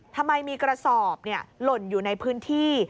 ทำไมมีกระสอบหล่นอยู่ในพื้นที่